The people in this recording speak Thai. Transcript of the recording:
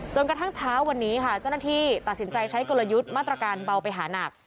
กระทั่งเช้าวันนี้ค่ะเจ้าหน้าที่ตัดสินใจใช้กลยุทธ์มาตรการเบาไปหานัก